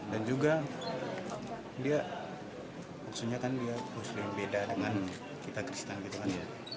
dan juga dia maksudnya kan dia khususnya beda dengan kita kristen gitu kan ya